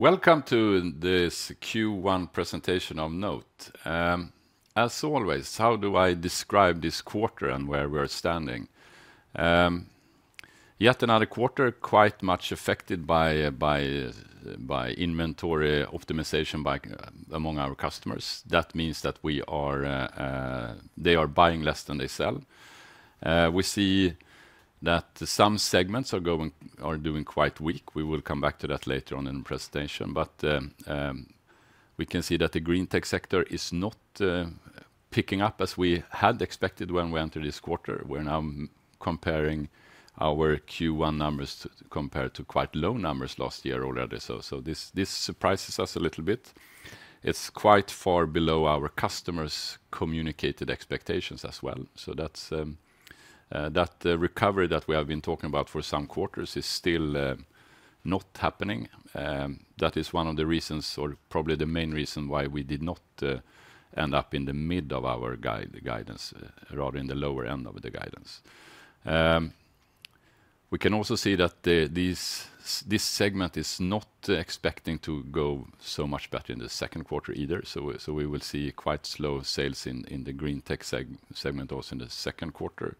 Welcome to this Q1 presentation of NOTE. As always, how do I describe this quarter and where we're standing? Yet another quarter quite much affected by inventory optimization among our customers. That means that they are buying less than they sell. We see that some segments are doing quite weak. We will come back to that later on in the presentation. But we can see that the Greentech sector is not picking up as we had expected when we entered this quarter. We're now comparing our Q1 numbers compared to quite low numbers last year already. So this surprises us a little bit. It's quite far below our customers' communicated expectations as well. So that's the recovery that we have been talking about for some quarters is still not happening. That is one of the reasons, or probably the main reason, why we did not end up in the mid of our guidance, rather in the lower end of the guidance. We can also see that this segment is not expecting to go so much better in the Q2 either. So we will see quite slow sales in the Greentech segment also in the Q2.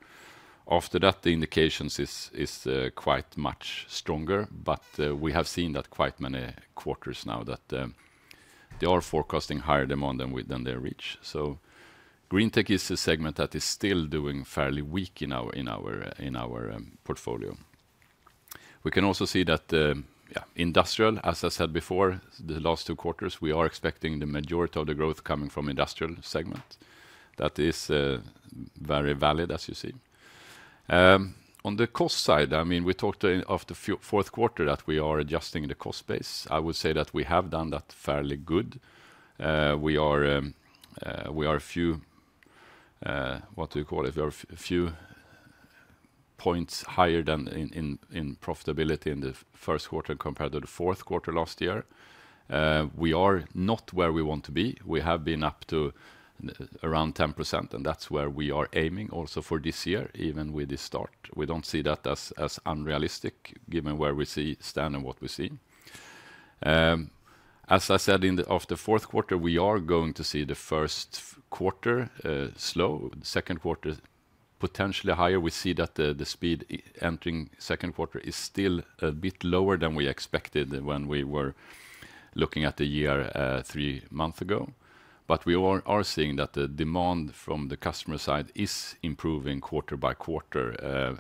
After that, the indications is quite much stronger. But we have seen that quite many quarters now that they are forecasting higher demand than they reach. So Greentech is a segment that is still doing fairly weak in our portfolio. We can also see that, yeah, Industrial, as I said before, the last two quarters, we are expecting the majority of the growth coming from the Industrial segment. That is very valid, as you see. On the cost side, I mean, we talked after Q4 that we are adjusting the cost base. I would say that we have done that fairly good. We are a few, what do you call it? We are a few points higher than in profitability in the Q1 compared to the Q4 last year. We are not where we want to be. We have been up to around 10%. That's where we are aiming also for this year, even with this start. We don't see that as unrealistic, given where we stand and what we see. As I said, in the after Q4, we are going to see the Q1 slow, Q2 potentially higher. We see that the speed entering Q2 is still a bit lower than we expected when we were looking at the year, three months ago. But we are seeing that the demand from the customer side is improving quarter by quarter,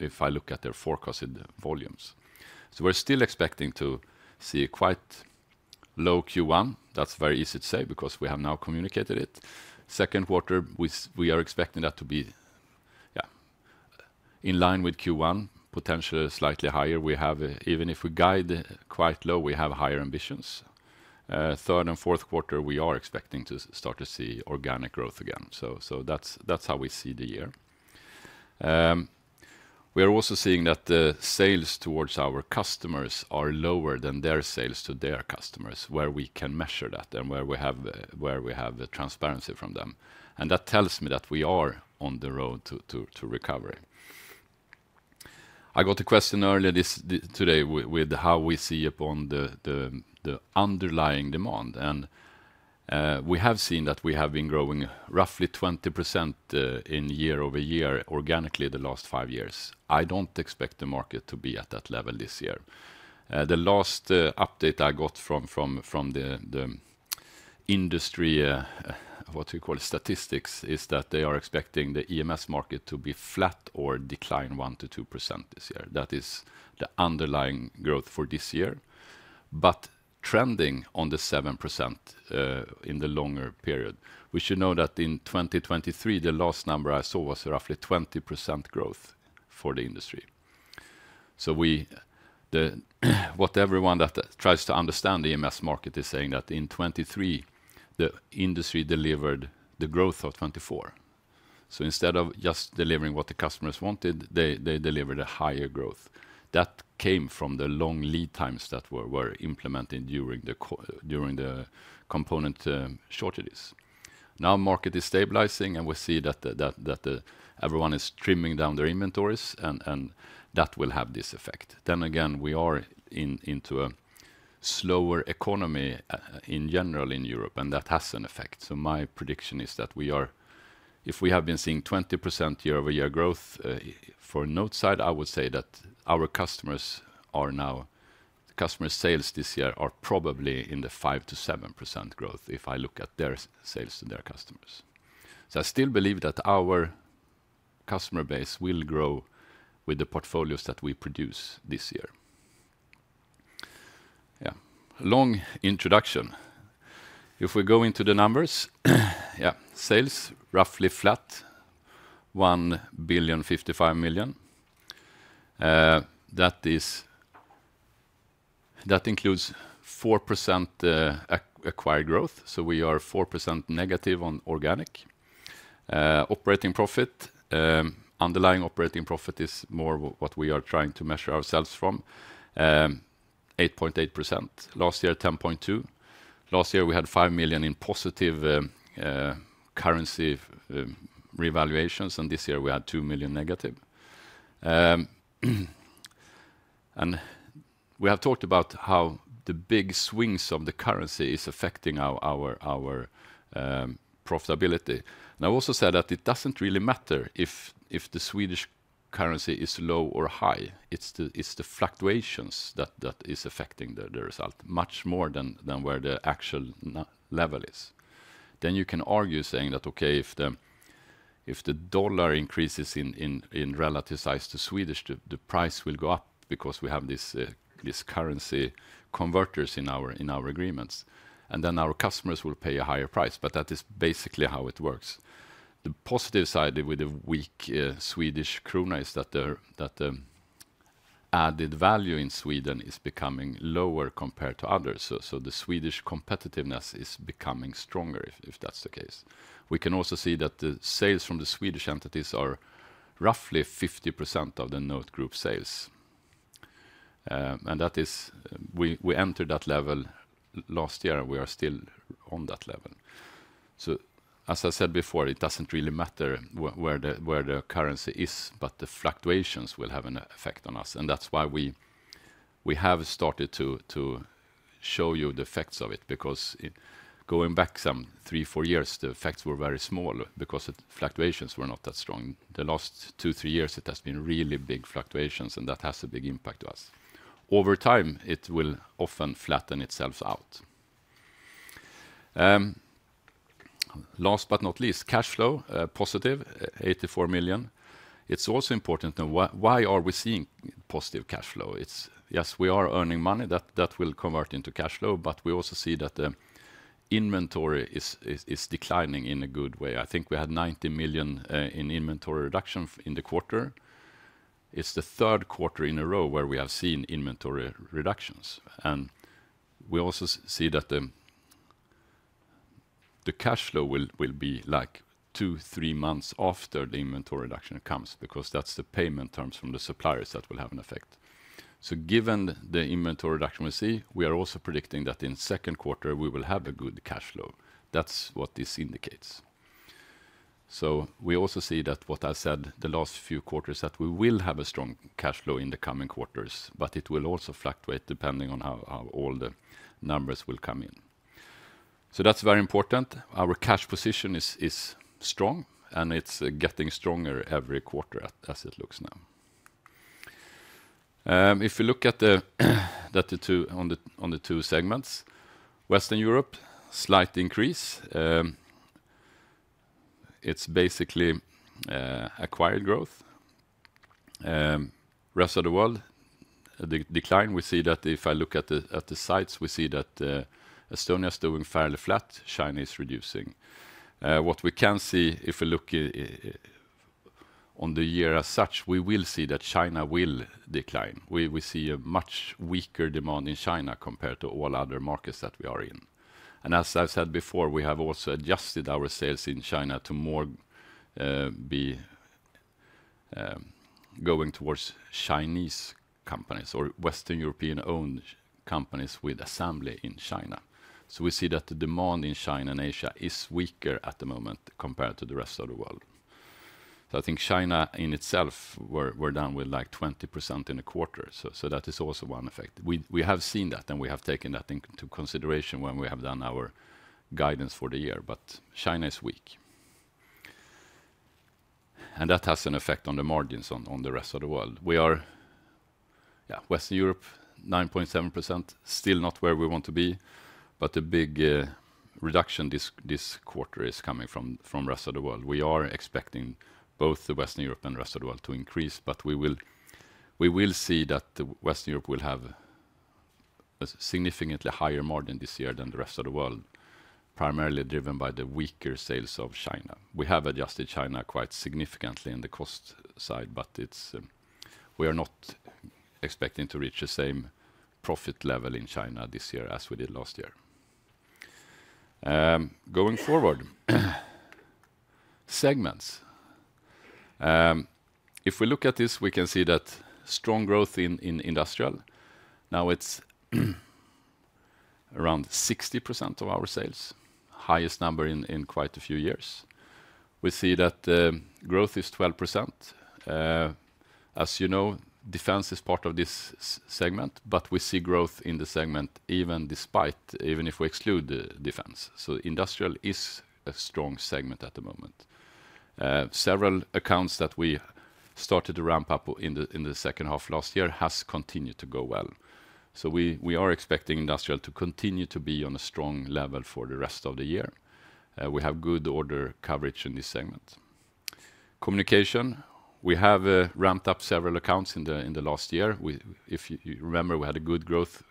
if I look at their forecasted volumes. So we're still expecting to see quite low Q1. That's very easy to say because we have now communicated it. Second quarter, we are expecting that to be, yeah, in line with Q1, potentially slightly higher. We have, even if we guide quite low, we have higher ambitions. Third and Q4, we are expecting to start to see organic growth again. So that's how we see the year. We are also seeing that the sales towards our customers are lower than their sales to their customers, where we can measure that and where we have transparency from them. And that tells me that we are on the road to recovery. I got a question earlier this today with how we see upon the underlying demand. And we have seen that we have been growing roughly 20% year-over-year organically the last five years. I don't expect the market to be at that level this year. The last update I got from the industry statistics is that they are expecting the EMS market to be flat or decline 1%-2% this year. That is the underlying growth for this year, but trending on the 7% in the longer period. We should know that in 2023, the last number I saw was roughly 20% growth for the industry. So what everyone that tries to understand the EMS market is saying is that in 2023, the industry delivered the growth of 2024. So instead of just delivering what the customers wanted, they delivered a higher growth. That came from the long lead times that were implemented during the component shortages. Now the market is stabilizing and we see that everyone is trimming down their inventories and that will have this effect. Then again, we are into a slower economy in general in Europe and that has an effect. So my prediction is that we are, if we have been seeing 20% year-over-year growth, for NOTE side, I would say that our customers are now, customer sales this year are probably in the 5%-7% growth if I look at their sales to their customers. So I still believe that our customer base will grow with the portfolios that we produce this year. Yeah, long introduction. If we go into the numbers, yeah, sales roughly flat, 1.55 billion. That is, that includes 4% acquired growth. So we are 4% negative on organic. Operating profit, underlying operating profit is more what we are trying to measure ourselves from, 8.8%. Last year, 10.2%. Last year we had 5 million in positive currency revaluations and this year we had 2 million negative. And we have talked about how the big swings of the currency are affecting our profitability. And I've also said that it doesn't really matter if the Swedish currency is low or high. It's the fluctuations that are affecting the result much more than where the actual level is. Then you can argue saying that, okay, if the dollar increases in relative size to Swedish, the price will go up because we have this currency converters in our agreements. And then our customers will pay a higher price. But that is basically how it works. The positive side with the weak Swedish krona is that the added value in Sweden is becoming lower compared to others. So the Swedish competitiveness is becoming stronger if that's the case. We can also see that the sales from the Swedish entities are roughly 50% of the NOTE group sales. And that is, we, we entered that level last year and we are still on that level. So as I said before, it doesn't really matter where the, where the currency is, but the fluctuations will have an effect on us. And that's why we, we have started to, to show you the effects of it. Because going back some 3-4 years, the effects were very small because the fluctuations were not that strong. The last 2-3 years, it has been really big fluctuations and that has a big impact on us. Over time, it will often flatten itself out. Last but not least, cash flow, positive, 84 million. It's also important to know why are we seeing positive cash flow? It's yes, we are earning money that will convert into cash flow, but we also see that the inventory is declining in a good way. I think we had 90 million in inventory reduction in the quarter. It's the Q3 in a row where we have seen inventory reductions. And we also see that the cash flow will be like 2-3 months after the inventory reduction comes because that's the payment terms from the suppliers that will have an effect. So given the inventory reduction we see, we are also predicting that in Q2 we will have a good cash flow. That's what this indicates. So we also see that what I said the last few quarters that we will have a strong cash flow in the coming quarters, but it will also fluctuate depending on how, how all the numbers will come in. So that's very important. Our cash position is strong and it's getting stronger every quarter as it looks now. If we look at the two segments, Western Europe, slight increase. It's basically acquired growth. Rest of the World, the decline. We see that if I look at the sites, we see that Estonia is doing fairly flat, China is reducing. What we can see if we look on the year as such, we will see that China will decline. We see a much weaker demand in China compared to all other markets that we are in. As I've said before, we have also adjusted our sales in China to more be going towards Chinese companies or Western European owned companies with assembly in China. We see that the demand in China and Asia is weaker at the moment compared to the rest of the world. I think China in itself, we're down with like 20% in a quarter. That is also one effect. We have seen that and we have taken that into consideration when we have done our guidance for the year. China is weak. That has an effect on the margins on the rest of the world. We are, yeah, Western Europe, 9.7%, still not where we want to be. The big reduction this quarter is coming from the rest of the world. We are expecting both the Western Europe and the rest of the world to increase. But we will see that the Western Europe will have a significantly higher margin this year than the rest of the world, primarily driven by the weaker sales of China. We have adjusted China quite significantly in the cost side, but it's. We are not expecting to reach the same profit level in China this year as we did last year. Going forward, segments. If we look at this, we can see that strong growth in industrial. Now it's around 60% of our sales, highest number in quite a few years. We see that growth is 12%. As you know, defense is part of this segment, but we see growth in the segment even despite, even if we exclude defense. So industrial is a strong segment at the moment. Several accounts that we started to ramp up in the H2 last year have continued to go well. So we are expecting Industrial to continue to be on a strong level for the rest of the year. We have good order coverage in this segment. Communication, we have ramped up several accounts in the last year. If you remember, we had good growth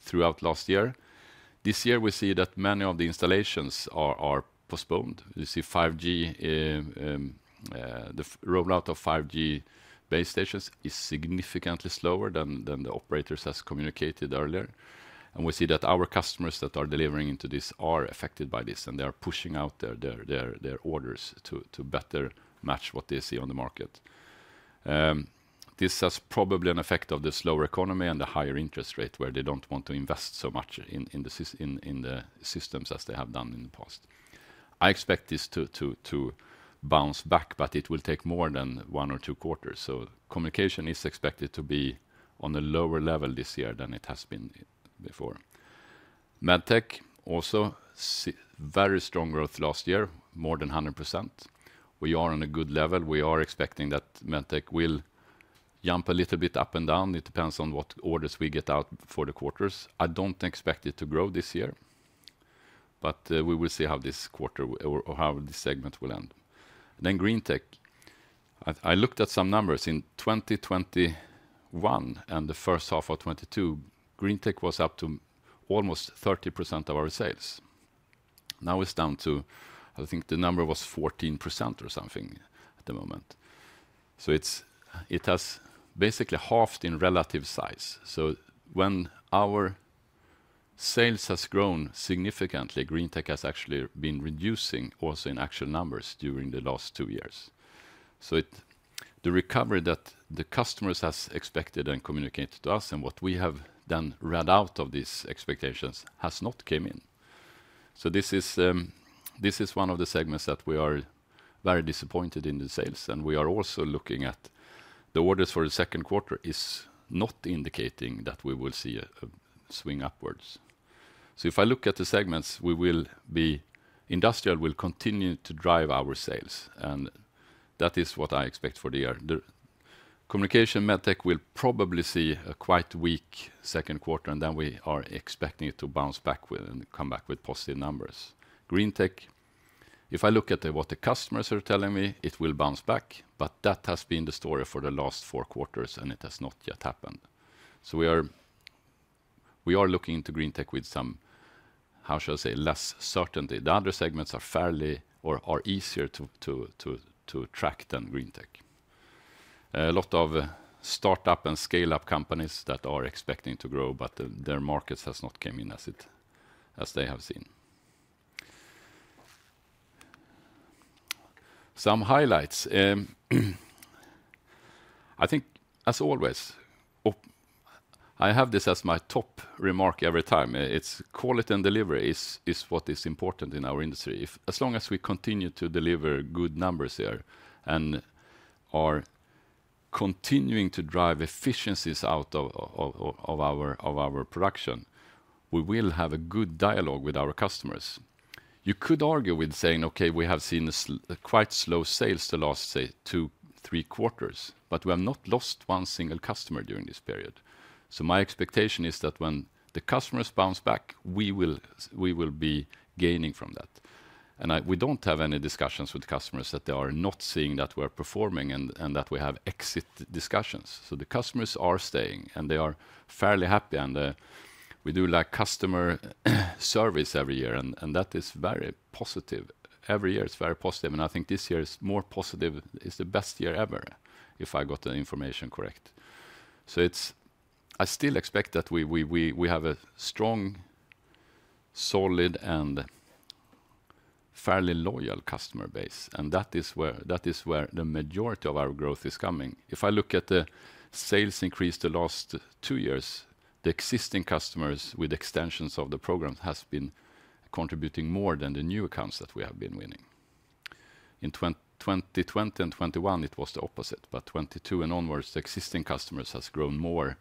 throughout last year. This year we see that many of the installations are postponed. You see 5G, the rollout of 5G base stations is significantly slower than the operators have communicated earlier. And we see that our customers that are delivering into this are affected by this and they are pushing out their orders to better match what they see on the market. This has probably an effect of the slower economy and the higher interest rate where they don't want to invest so much in the systems as they have done in the past. I expect this to bounce back, but it will take more than one or two quarters. So Communication is expected to be on a lower level this year than it has been before. Medtech also saw very strong growth last year, more than 100%. We are on a good level. We are expecting that Medtech will jump a little bit up and down. It depends on what orders we get out for the quarters. I don't expect it to grow this year, but we will see how this quarter or how this segment will end. Then Greentech, I looked at some numbers in 2021 and the H1 of 2022, Greentech was up to almost 30% of our sales. Now it's down to, I think the number was 14% or something at the moment. So it's, it has basically halved in relative size. So when our sales have grown significantly, Greentech has actually been reducing also in actual numbers during the last two years. So it, the recovery that the customers have expected and communicated to us and what we have then read out of these expectations has not come in. So this is, this is one of the segments that we are very disappointed in the sales. And we are also looking at the orders for the Q2 is not indicating that we will see a swing upwards. So if I look at the segments, we will be, Industrial will continue to drive our sales and that is what I expect for the year. The Communication, Medtech will probably see a quite weak Q2 and then we are expecting it to bounce back with and come back with positive numbers. Greentech, if I look at what the customers are telling me, it will bounce back, but that has been the story for the last four quarters and it has not yet happened. So we are looking into Greentech with some, how shall I say, less certainty. The other segments are fairly or are easier to track than Greentech. A lot of startup and scale-up companies that are expecting to grow, but their markets have not come in as they have seen. Some highlights. I think as always, I have this as my top remark every time. It's quality and delivery is what is important in our industry. As long as we continue to deliver good numbers here and are continuing to drive efficiencies out of our production, we will have a good dialogue with our customers. You could argue with saying, okay, we have seen quite slow sales the last, say, 2, 3 quarters, but we have not lost one single customer during this period. So my expectation is that when the customers bounce back, we will be gaining from that. And we don't have any discussions with customers that they are not seeing that we are performing and that we have exit discussions. So the customers are staying and they are fairly happy and we do like customer service every year and that is very positive. Every year it's very positive. I think this year is more positive. It's the best year ever if I got the information correct. So it's, I still expect that we have a strong, solid and fairly loyal customer base. And that is where the majority of our growth is coming. If I look at the sales increase the last two years, the existing customers with extensions of the program has been contributing more than the new accounts that we have been winning. In 2020 and 2021, it was the opposite, but 2022 and onwards, the existing customers have grown more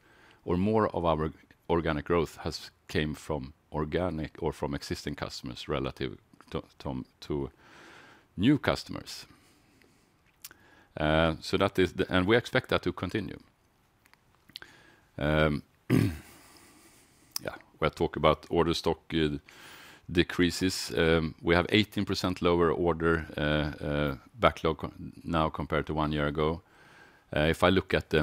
or more of our organic growth has came from organic or from existing customers relative to new customers. So that is, and we expect that to continue. Yeah, when I talk about order stock decreases, we have 18% lower order backlog now compared to 1 year ago. If I look at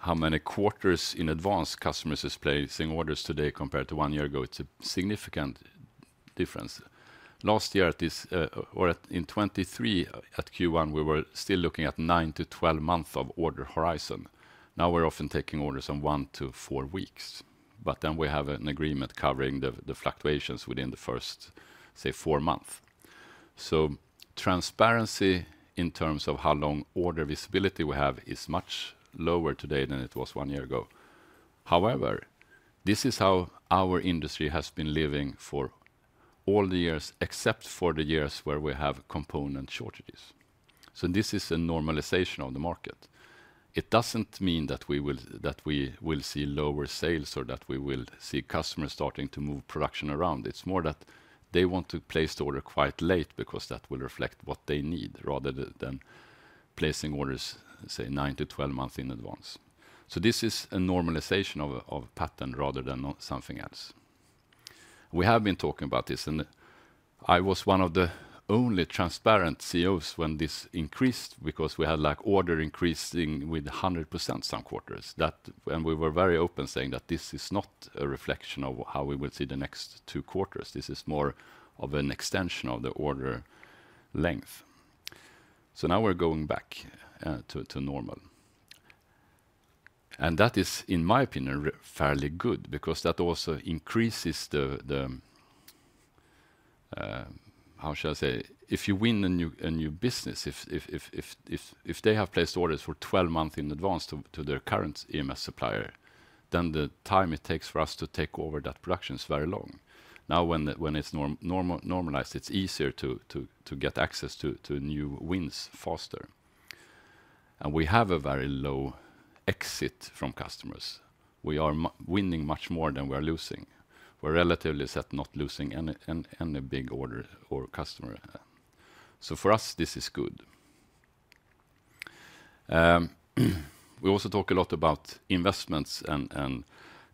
how many quarters in advance customers are placing orders today compared to 1 year ago, it's a significant difference. Last year at this, or in 2023 at Q1, we were still looking at 9-12 months of order horizon. Now we're often taking orders on 1-4 weeks, but then we have an agreement covering the fluctuations within the first, say, 4 months. So transparency in terms of how long order visibility we have is much lower today than it was 1 year ago. However, this is how our industry has been living for all the years except for the years where we have component shortages. So this is a normalization of the market. It doesn't mean that we will, that we will see lower sales or that we will see customers starting to move production around. It's more that they want to place the order quite late because that will reflect what they need rather than placing orders, say, 9-12 months in advance. So this is a normalization of a pattern rather than something else. We have been talking about this and I was one of the only transparent CEOs when this increased because we had like order increasing with 100% some quarters that, and we were very open saying that this is not a reflection of how we will see the next two quarters. This is more of an extension of the order length. So now we're going back to normal. That is, in my opinion, fairly good because that also increases the how shall I say, if you win a new business, if they have placed orders for 12 months in advance to their current EMS supplier, then the time it takes for us to take over that production is very long. Now when it's normalized, it's easier to get access to new wins faster. And we have a very low exit from customers. We are winning much more than we are losing. We're relatively set not losing any big order or customer. So for us, this is good. We also talk a lot about investments and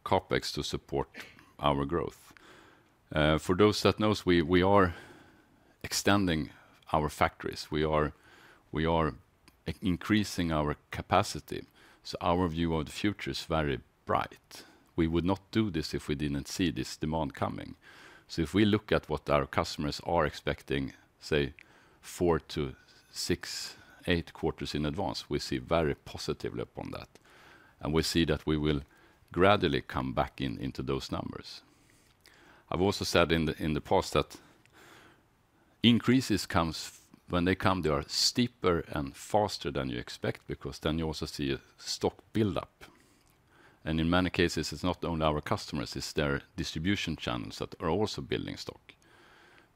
CAPEX to support our growth. For those that know, we are extending our factories. We are increasing our capacity. So our view of the future is very bright. We would not do this if we didn't see this demand coming. So if we look at what our customers are expecting, say, 4-6, 8 quarters in advance, we see very positive look on that and we see that we will gradually come back in, into those numbers. I've also said in the, in the past that increases comes, when they come, they are steeper and faster than you expect because then you also see a stock buildup. And in many cases, it's not only our customers, it's their distribution channels that are also building stock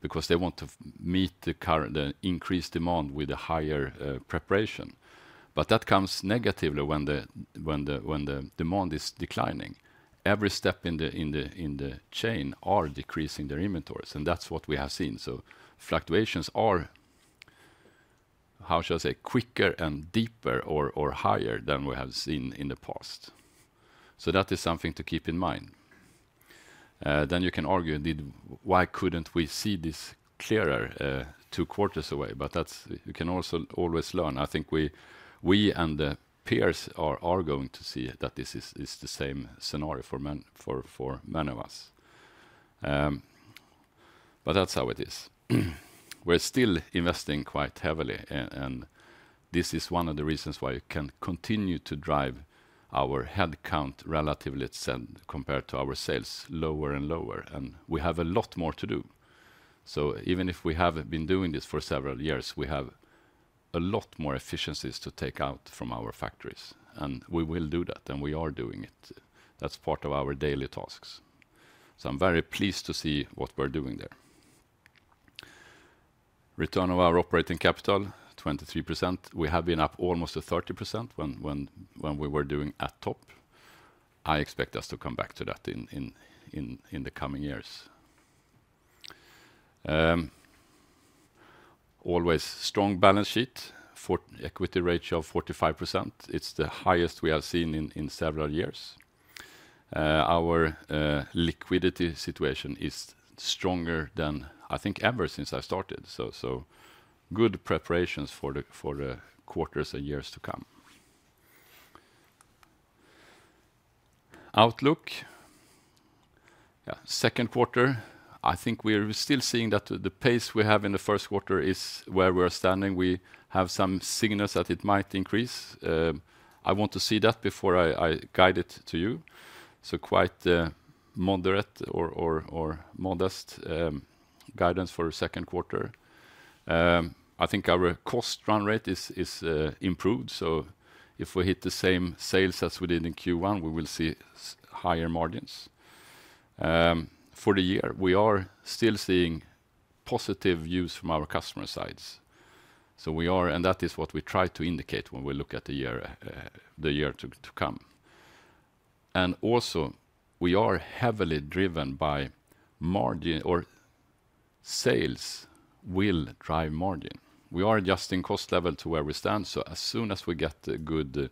because they want to meet the current, the increased demand with a higher preparation. But that comes negatively when the, when the, when the demand is declining. Every step in the chain are decreasing their inventories and that's what we have seen. So fluctuations are, how shall I say, quicker and deeper or higher than we have seen in the past. So that is something to keep in mind. Then you can argue indeed why couldn't we see this clearer two quarters away? But that's, you can also always learn. I think we and the peers are going to see that this is the same scenario for many of us. But that's how it is. We're still investing quite heavily and this is one of the reasons why you can continue to drive our headcount relatively steady compared to our sales lower and lower. And we have a lot more to do. So even if we have been doing this for several years, we have a lot more efficiencies to take out from our factories and we will do that and we are doing it. That's part of our daily tasks. So I'm very pleased to see what we're doing there. Return on our operating capital, 23%. We have been up almost to 30% when we were doing at top. I expect us to come back to that in the coming years. Always strong balance sheet, equity ratio of 45%. It's the highest we have seen in several years. Our liquidity situation is stronger than I think ever since I started. So good preparations for the quarters and years to come. Outlook. Yeah, Q2. I think we are still seeing that the pace we have in the Q1 is where we are standing. We have some signals that it might increase. I want to see that before I guide it to you. So quite moderate or modest guidance for the Q2. I think our cost run rate is improved. So if we hit the same sales as we did in Q1, we will see higher margins. For the year, we are still seeing positive views from our customer sides. So we are, and that is what we try to indicate when we look at the year, the year to come. And also we are heavily driven by margin or sales will drive margin. We are adjusting cost level to where we stand. So as soon as we get the good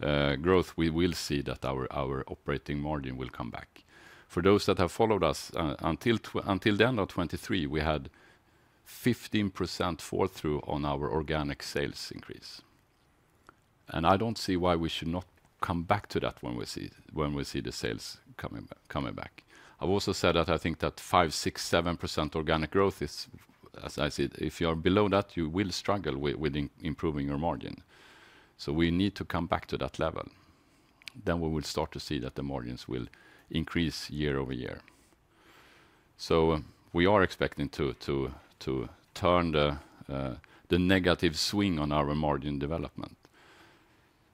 growth, we will see that our operating margin will come back. For those that have followed us until the end of 2023, we had 15% fall through on our organic sales increase. And I don't see why we should not come back to that when we see the sales coming back. I've also said that I think that 5%-7% organic growth is, as I said, if you are below that, you will struggle with improving your margin. So we need to come back to that level. Then we will start to see that the margins will increase year-over-year. So we are expecting to turn the negative swing on our margin development.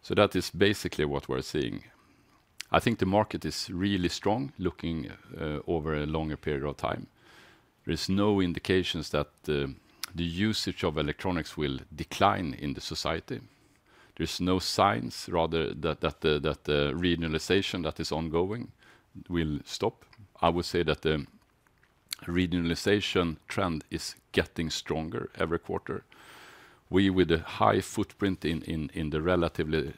So that is basically what we're seeing. I think the market is really strong looking over a longer period of time. There's no indications that the usage of electronics will decline in the society. There's no signs rather that the digitalization that is ongoing will stop. I would say that the digitalization trend is getting stronger every quarter. We, with a high footprint in the relatively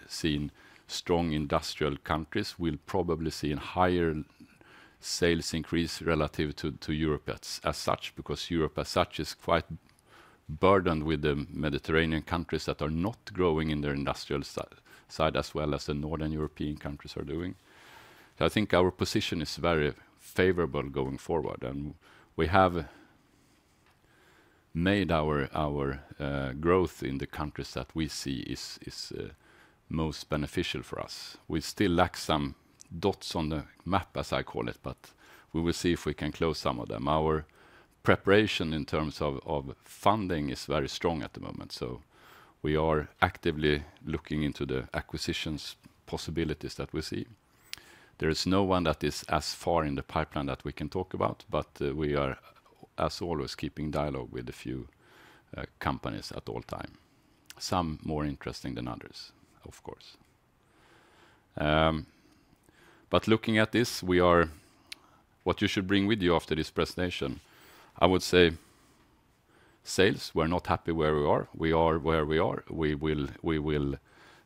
strong industrial countries, will probably see a higher sales increase relative to Europe as such because Europe as such is quite burdened with the Mediterranean countries that are not growing in their industrial side as well as the Northern European countries are doing. So I think our position is very favorable going forward and we have made our growth in the countries that we see is most beneficial for us. We still lack some dots on the map as I call it, but we will see if we can close some of them. Our preparation in terms of funding is very strong at the moment. So we are actively looking into the acquisitions possibilities that we see. There is no one that is as far in the pipeline that we can talk about, but we are as always keeping dialogue with a few companies at all times. Some more interesting than others, of course. But looking at this, what you should bring with you after this presentation, I would say, sales. We're not happy where we are. We are where we are. We will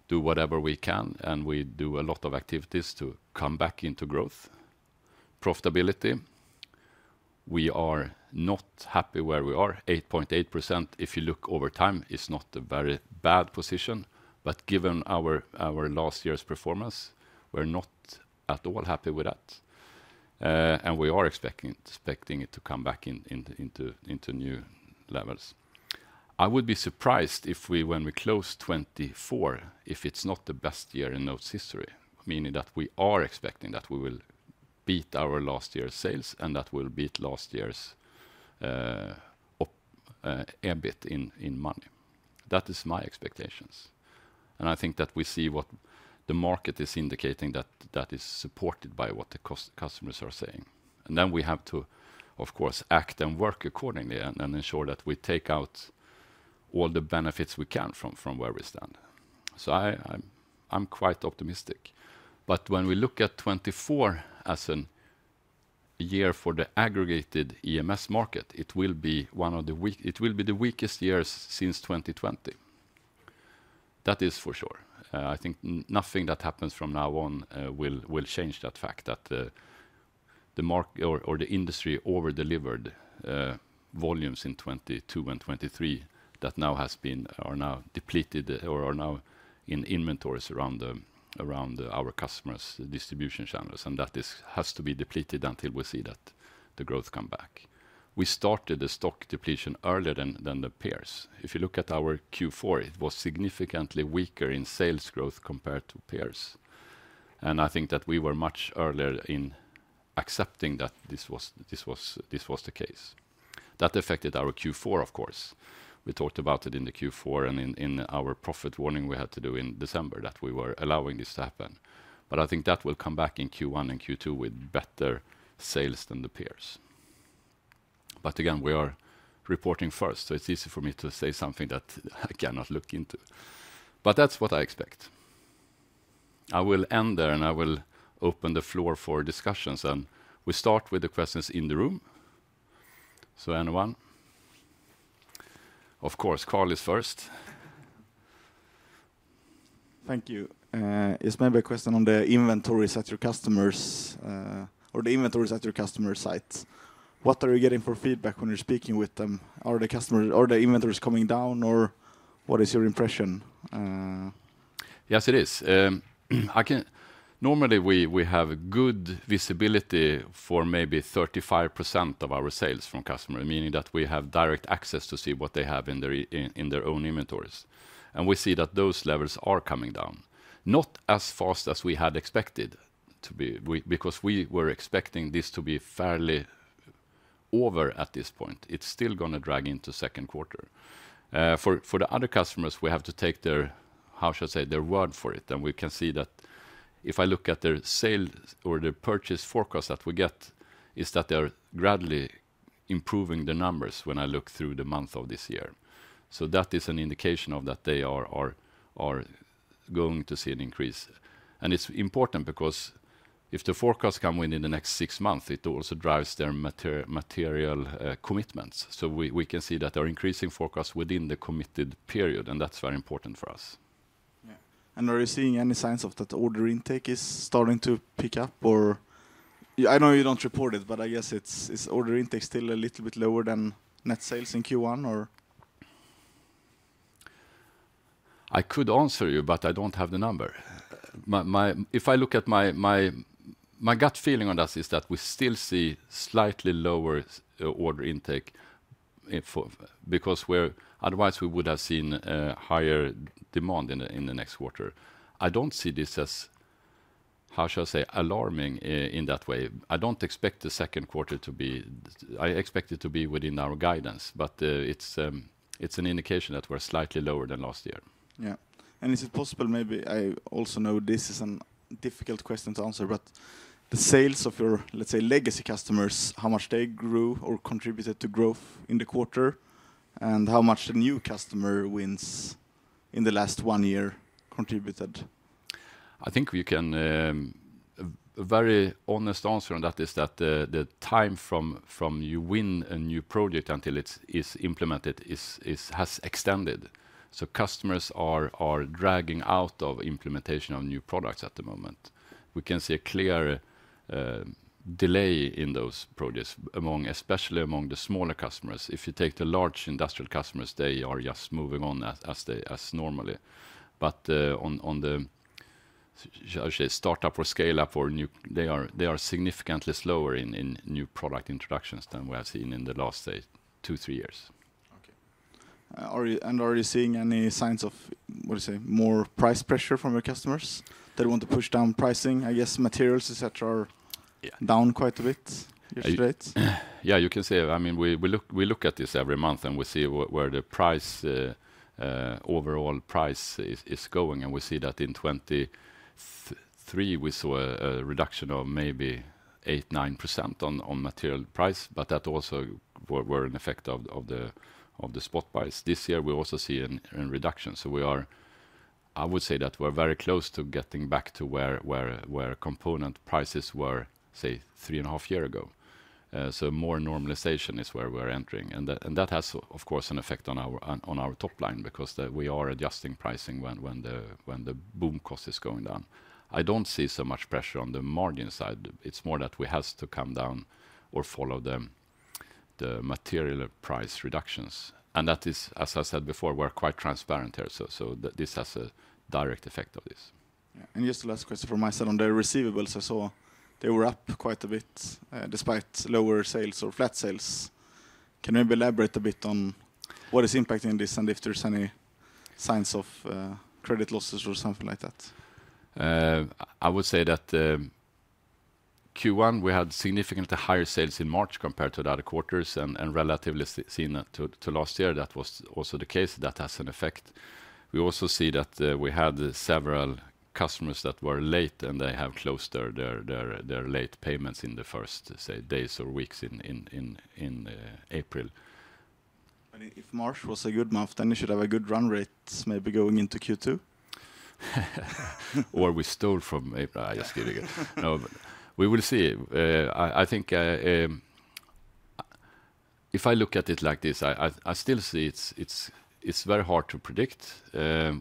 do whatever we can and we do a lot of activities to come back into growth. Profitability, we are not happy where we are. 8.8% if you look over time is not a very bad position, but given our last year's performance, we're not at all happy with that. And we are expecting it to come back into new levels. I would be surprised if when we close 2024, if it's not the best year in NOTE's history, meaning that we are expecting that we will beat our last year's sales and that we'll beat last year's EBIT in money. That is my expectations. And I think that we see what the market is indicating that is supported by what the customers are saying. And then we have to, of course, act and work accordingly and ensure that we take out all the benefits we can from where we stand. So I'm quite optimistic. When we look at 2024 as a year for the aggregated EMS market, it will be the weakest years since 2020. That is for sure. I think nothing that happens from now on will change that fact that the market or the industry overdelivered volumes in 2022 and 2023 that now are depleted or are now in inventories around our customers' distribution channels. That has to be depleted until we see that the growth come back. We started the stock depletion earlier than the peers. If you look at our Q4, it was significantly weaker in sales growth compared to peers. I think that we were much earlier in accepting that this was the case. That affected our Q4, of course. We talked about it in the Q4 and in our profit warning we had to do in December that we were allowing this to happen. But I think that will come back in Q1 and Q2 with better sales than the peers. But again, we are reporting first. So it's easy for me to say something that I cannot look into. But that's what I expect. I will end there and I will open the floor for discussions and we start with the questions in the room. So anyone? Of course, Karl is first. Thank you. It's maybe a question on the inventories at your customers or the inventories at your customer sites. What are you getting for feedback when you're speaking with them? Are the customers, are the inventories coming down or what is your impression? Yes, it is. Normally, we have good visibility for maybe 35% of our sales from customers, meaning that we have direct access to see what they have in their own inventories. We see that those levels are coming down. Not as fast as we had expected to be because we were expecting this to be fairly over at this point. It's still going to drag into Q2. For the other customers, we have to take their, how shall I say, word for it. We can see that if I look at their sale or the purchase forecast that we get is that they are gradually improving the numbers when I look through the month of this year. That is an indication that they are going to see an increase. It's important because if the forecast come in in the next six months, it also drives their material commitments. So we, we can see that they're increasing forecast within the committed period and that's very important for us. Yeah. And are you seeing any signs of that order intake is starting to pick up or I know you don't report it, but I guess it's order intake still a little bit lower than net sales in Q1 or? I could answer you, but I don't have the number. My gut feeling on that is that we still see slightly lower order intake for because we're otherwise we would have seen higher demand in the, in the next quarter. I don't see this as, how shall I say, alarming in that way. I don't expect the Q2 to be, I expect it to be within our guidance, but it's, it's an indication that we're slightly lower than last year. Yeah. Is it possible, maybe—I also know this is a difficult question to answer—but the sales of your, let's say, legacy customers, how much they grew or contributed to growth in the quarter and how much the new customer wins in the last one year contributed? I think we can a very honest answer on that is that the time from you win a new project until it's implemented has extended. So customers are dragging out of implementation of new products at the moment. We can see a clear delay in those projects among, especially among the smaller customers. If you take the large industrial customers, they are just moving on as normally. But on the, how should I say, startup or scaleup or new, they are significantly slower in new product introductions than we have seen in the last say, two, three years. Okay. Are you seeing any signs of, what do you say, more price pressure from your customers that want to push down pricing? I guess materials, et cetera, are down quite a bit yesterday. Yeah, you can say, I mean, we look at this every month and we see where the overall price is going. And we see that in 2023 we saw a reduction of maybe 8%-9% on material price, but that also were an effect of the spot buys. This year we also see a reduction. So we are, I would say that we're very close to getting back to where component prices were, say, three and a half years ago. So more normalization is where we are entering. And that has, of course, an effect on our top line because that we are adjusting pricing when the component cost is going down. I don't see so much pressure on the margin side. It's more that we have to come down or follow the material price reductions. And that is, as I said before, we're quite transparent here. So this has a direct effect of this. Yeah. And just the last question from myself on the receivables. I saw they were up quite a bit despite lower sales or flat sales. Can you maybe elaborate a bit on what is impacting this and if there's any signs of credit losses or something like that? I would say that Q1 we had significantly higher sales in March compared to the other quarters and relatively seen to last year. That was also the case. That has an effect. We also see that we had several customers that were late and they have closed their late payments in the first, say, days or weeks in April. I mean, if March was a good month, then you should have a good run rates maybe going into Q2? Or we stole from April. I'm just kidding. No, we will see. I think if I look at it like this, I still see it's very hard to predict.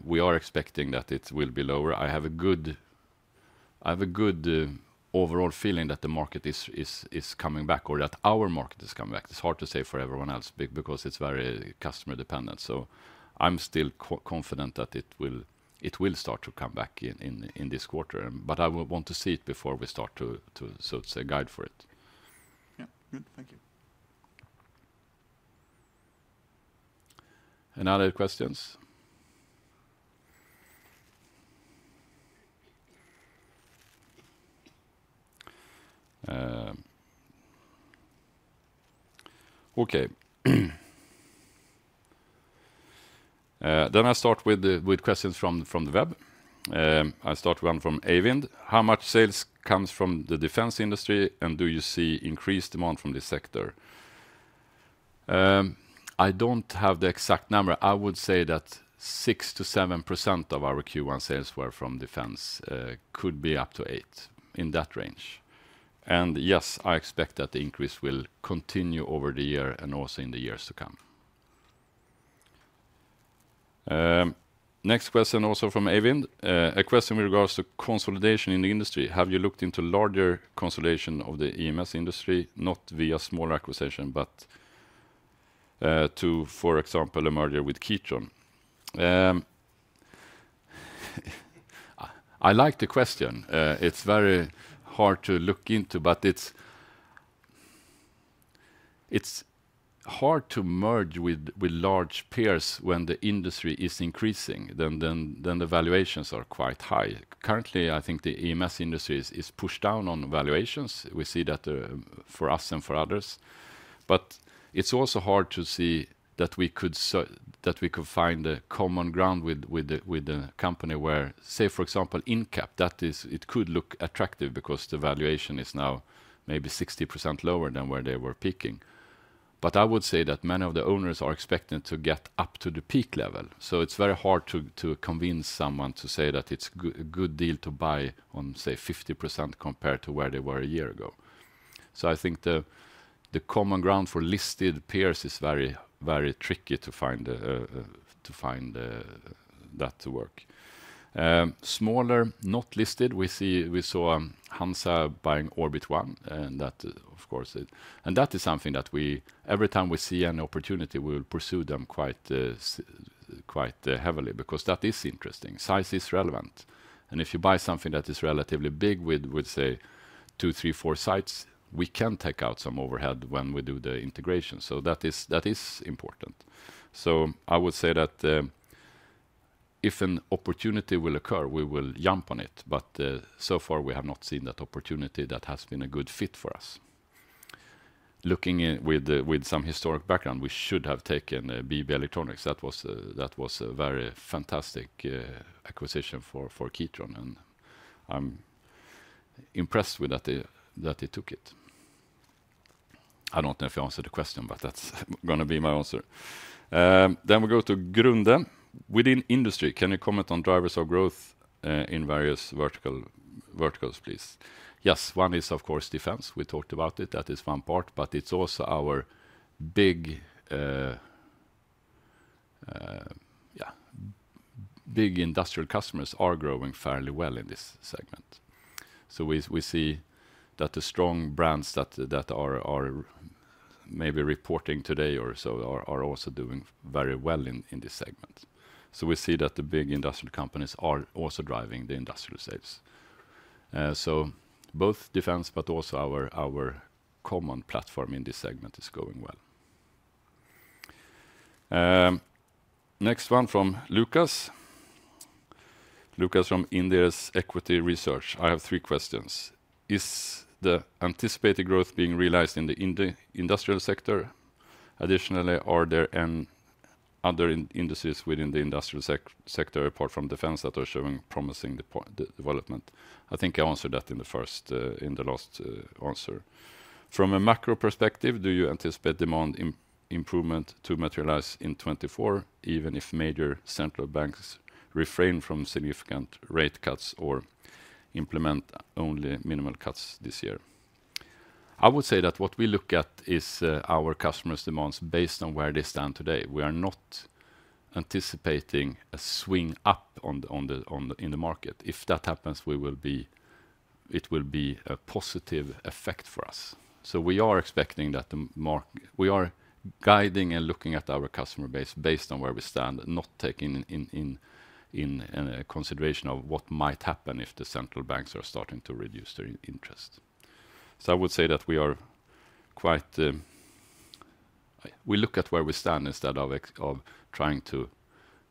We are expecting that it will be lower. I have a good overall feeling that the market is coming back or that our market is coming back. It's hard to say for everyone else because it's very customer dependent. So I'm still confident that it will start to come back in this quarter. But I want to see it before we start to, so to say, guide for it. Yeah. Good. Thank you. Any other questions? Okay. Then I start with questions from the web. I start one from Øyvind. How much sales comes from the defense industry and do you see increased demand from this sector? I don't have the exact number. I would say that 6%-7% of our Q1 sales were from defense, could be up to 8% in that range. And yes, I expect that the increase will continue over the year and also in the years to come. Next question also from Øyvind. A question with regards to consolidation in the industry. Have you looked into larger consolidation of the EMS industry, not via small acquisition, but to, for example, a merger with Kitron? I like the question. It's very hard to look into, but it's hard to merge with large peers when the industry is increasing, then the valuations are quite high. Currently, I think the EMS industry is pushed down on valuations. We see that for us and for others. But it's also hard to see that we could find a common ground with the company where, say, for example, Incap, that is, it could look attractive because the valuation is now maybe 60% lower than where they were peaking. But I would say that many of the owners are expecting to get up to the peak level. So it's very hard to convince someone to say that it's a good deal to buy on, say, 50% compared to where they were a year ago. So I think the common ground for listed peers is very, very tricky to find that to work. Smaller, not listed, we saw HANZA buying Orbit One and that, of course, is something that we, every time we see an opportunity, will pursue them quite, quite heavily because that is interesting. Size is relevant. And if you buy something that is relatively big with, say, 2, 3, 4 sites, we can take out some overhead when we do the integration. So that is important. So I would say that if an opportunity will occur, we will jump on it. But so far we have not seen that opportunity that has been a good fit for us. Looking with some historic background, we should have taken BB Electronics. That was a very fantastic acquisition for Kitron. I'm impressed with that they, that they took it. I don't know if I answered the question, but that's going to be my answer. Then we go to Grundén. Within industry, can you comment on drivers of growth in various verticals, verticals please? Yes, one is of course defense. We talked about it. That is one part, but it's also our big, yeah, big industrial customers are growing fairly well in this segment. So we, we see that the strong brands that, that are, are maybe reporting today or so are, are also doing very well in, in this segment. So we see that the big industrial companies are also driving the industrial sales. So both defense, but also our, our common platform in this segment is going well. Next one from Lucas. Lucas from Inderes Equity Research. I have three questions. Is the anticipated growth being realized in the Industrial sector? Additionally, are there any other industries within the Industrial sector apart from Defense that are showing promising development? I think I answered that in the first, in the last answer. From a macro perspective, do you anticipate demand improvement to materialize in 2024 even if major central banks refrain from significant rate cuts or implement only minimal cuts this year? I would say that what we look at is our customers' demands based on where they stand today. We are not anticipating a swing up in the market. If that happens, we will be, it will be a positive effect for us. So we are expecting that the market, we are guiding and looking at our customer base based on where we stand, not taking into consideration of what might happen if the central banks are starting to reduce their interest. So I would say that we are quite, we look at where we stand instead of trying to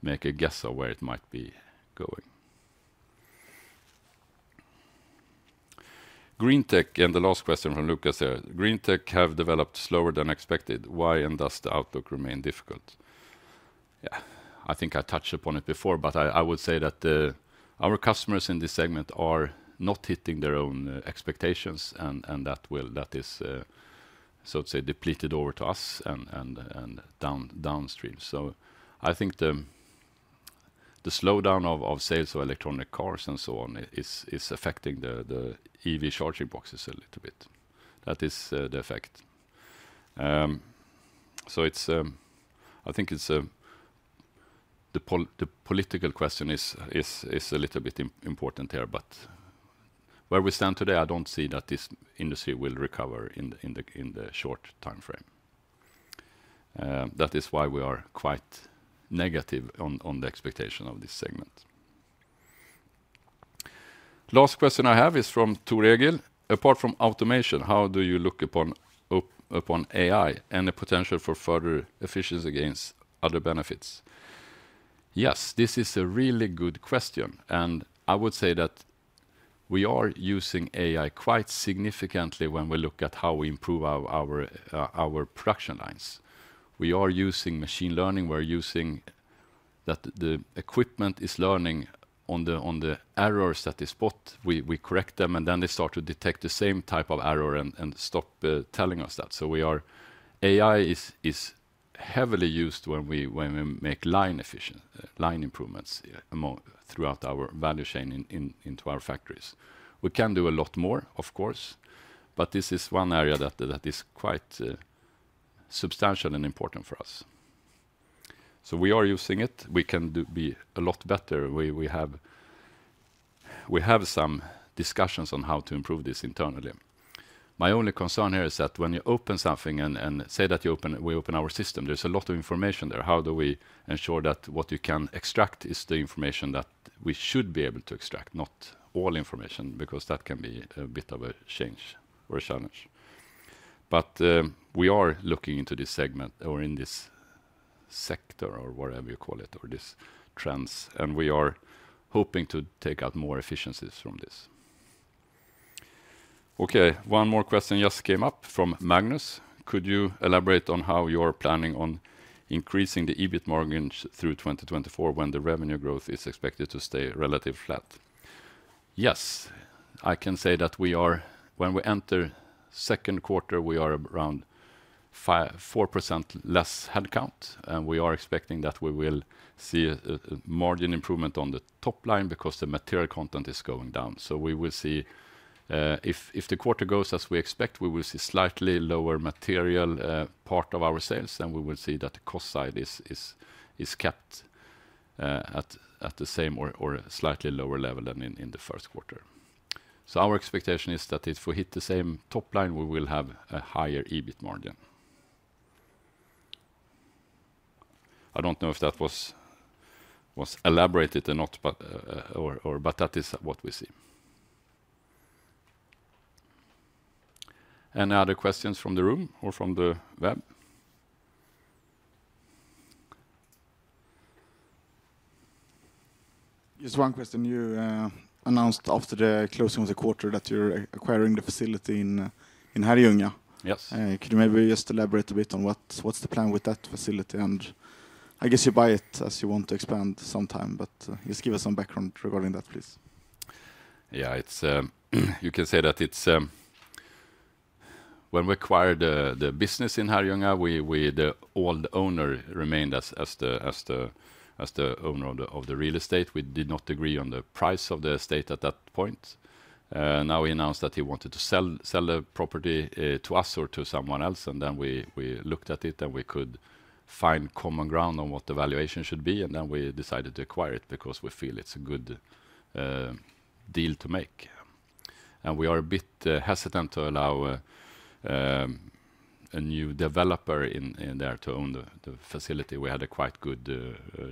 make a guess of where it might be going. Greentech and the last question from Lucas here. Greentech have developed slower than expected. Why and does the outlook remain difficult? Yeah, I think I touched upon it before, but I would say that our customers in this segment are not hitting their own expectations and that will, that is, so to say, depleted over to us and down, downstream. So I think the slowdown of sales of electric cars and so on is affecting the EV charging boxes a little bit. That is the effect. So it's, I think it's a, the political question is a little bit important here, but where we stand today, I don't see that this industry will recover in the short timeframe. That is why we are quite negative on the expectation of this segment. Last question I have is from Tor Egil. Apart from automation, how do you look upon AI and the potential for further efficiency gains other benefits? Yes, this is a really good question. And I would say that we are using AI quite significantly when we look at how we improve our production lines. We are using machine learning. We're using that the equipment is learning on the errors that they spot. We correct them and then they start to detect the same type of error and stop telling us that. So AI is heavily used when we make line efficient line improvements throughout our value chain into our factories. We can do a lot more, of course, but this is one area that is quite substantial and important for us. So we are using it. We can do be a lot better. We have some discussions on how to improve this internally. My only concern here is that when you open something and say that you open, we open our system, there's a lot of information there. How do we ensure that what you can extract is the information that we should be able to extract, not all information because that can be a bit of a change or a challenge. But we are looking into this segment or in this sector or whatever you call it or this trends and we are hoping to take out more efficiencies from this. Okay. One more question just came up from Magnus. Could you elaborate on how you are planning on increasing the EBIT margins through 2024 when the revenue growth is expected to stay relatively flat? Yes, I can say that we are, when we enter Q2, we are around 4% less headcount and we are expecting that we will see a margin improvement on the top line because the material content is going down. So we will see, if the quarter goes as we expect, we will see slightly lower material part of our sales and we will see that the cost side is kept at the same or slightly lower level than in the Q1. So our expectation is that if we hit the same top line, we will have a higher EBIT margin. I don't know if that was elaborated or not, but that is what we see. Any other questions from the room or from the web? Just one question. You announced after the closing of the quarter that you're acquiring the facility in Herrljunga. Could you maybe just elaborate a bit on what's the plan with that facility? And I guess you buy it as you want to expand sometime, but just give us some background regarding that, please. Yeah, it's, you can say that it's, when we acquired the business in Herrljunga, the old owner remained as the owner of the real estate. We did not agree on the price of the estate at that point. Now he announced that he wanted to sell the property to us or to someone else and then we looked at it and we could find common ground on what the valuation should be and then we decided to acquire it because we feel it's a good deal to make. We are a bit hesitant to allow a new developer in there to own the facility. We had a quite good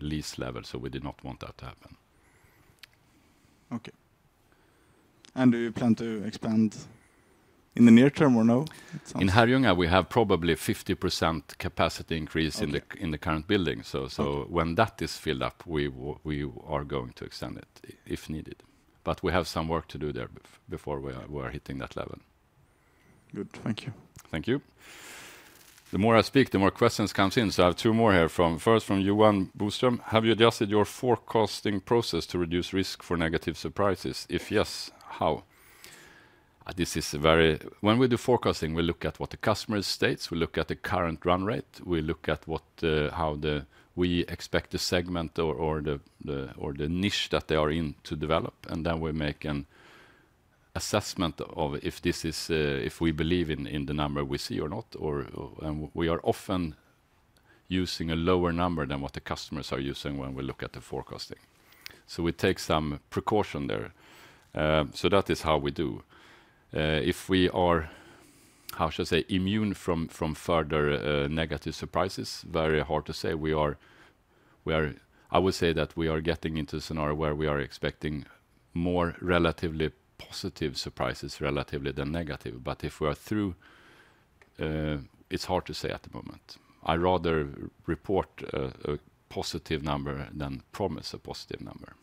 lease level, so we did not want that to happen. Okay. Do you plan to expand in the near term or no? In Herrljunga, we have probably a 50% capacity increase in the current building. So when that is filled up, we are going to extend it if needed. But we have some work to do there before we are hitting that level. Good. Thank you. Thank you. The more I speak, the more questions come in. So I have two more here from, first from Johan Boström. Have you adjusted your forecasting process to reduce risk for negative surprises? If yes, how? When we do forecasting, we look at what the customer states. We look at the current run rate. We look at how we expect the segment or the niche that they are in to develop. And then we make an assessment of if we believe in the number we see or not. And we are often using a lower number than what the customers are using when we look at the forecasting. So we take some precaution there. So that is how we do. If we are, how should I say, immune from, from further negative surprises, very hard to say. We are, we are, I would say that we are getting into a scenario where we are expecting more relatively positive surprises relatively than negative. But if we are through, it's hard to say at the moment. I rather report a positive number than promise a positive number.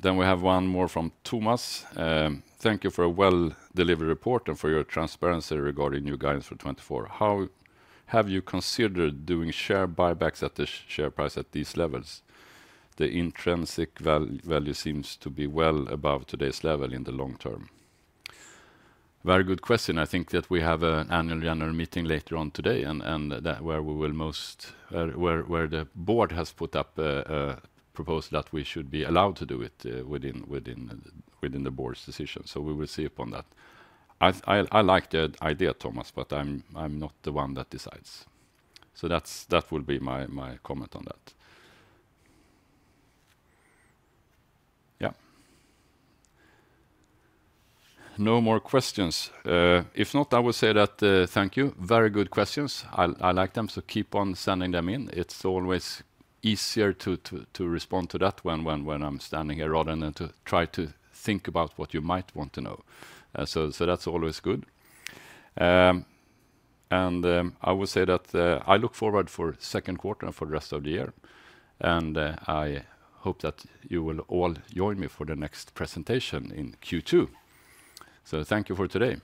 Then we have one more from Thomas. Thank you for a well-delivered report and for your transparency regarding new guidance for 2024. How have you considered doing share buybacks at the share price at these levels? The intrinsic value seems to be well above today's level in the long term. Very good question. I think that we have an annual general meeting later on today and where the board has put up a proposal that we should be allowed to do it within the board's decision. So we will see upon that. I like the idea, Thomas, but I'm not the one that decides. So that's that will be my comment on that. Yeah. No more questions. If not, I would say that thank you. Very good questions. I like them. So keep on sending them in. It's always easier to respond to that when I'm standing here rather than to try to think about what you might want to know. So that's always good. And I would say that I look forward for Q2 and for the rest of the year. I hope that you will all join me for the next presentation in Q2. Thank you for today.